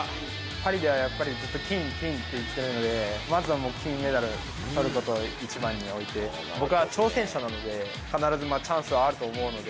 パリではやっぱりずっと金、金って言ってるので、まずはもう、金メダルとることを一番に置いて、僕は挑戦者なので、必ずチャンスはあると思うので。